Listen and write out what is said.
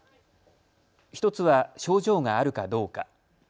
１つは症状があるかどうか。